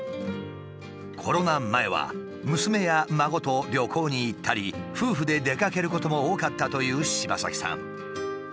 コロナ前は娘や孫と旅行に行ったり夫婦で出かけることも多かったという柴崎さん。